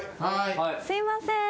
すいません。